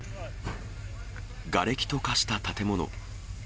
がれきと化した建物。